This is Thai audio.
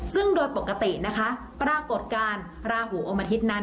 ซึ่งโดยปกตินะคะปรากฏการณ์ราหูอมอาทิตย์นั้น